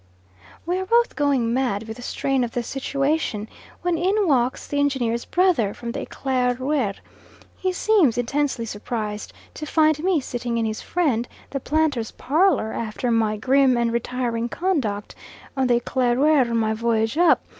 We are both going mad with the strain of the situation, when in walks the engineer's brother from the Eclaireur. He seems intensely surprised to find me sitting in his friend the planter's parlour after my grim and retiring conduct on the Eclaireur on my voyage up.